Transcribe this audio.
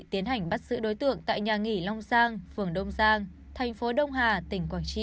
tiến hành bắt giữ đối tượng tại nhà nghỉ long giang phường đông giang thành phố đông hà tỉnh quảng trị